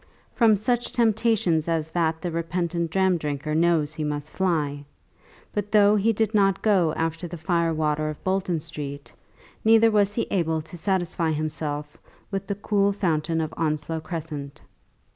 From such temptation as that the repentant dram drinker knows that he must fly. But though he did not go after the fire water of Bolton Street, neither was he able to satisfy himself with the cool fountain of Onslow Crescent.